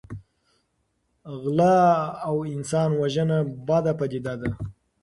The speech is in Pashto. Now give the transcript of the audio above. غلا او انسان وژنه بده پدیده ده.